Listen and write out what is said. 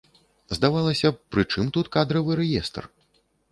Здавалася б, пры чым тут кадравы рэестр?